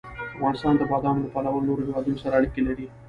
افغانستان د بادامو له پلوه له نورو هېوادونو سره اړیکې لري.